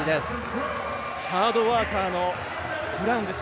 ハードワーカーのブラウンです。